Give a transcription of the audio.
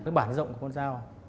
cái bản rộng của con dao